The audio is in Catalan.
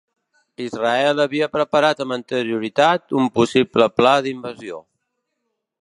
Israel havia preparat amb anterioritat un possible pla d'invasió.